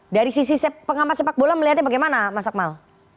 dari sisi pengamat sepak bola melihatnya bagaimana mas akmal